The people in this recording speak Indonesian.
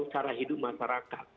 cara hidup masyarakat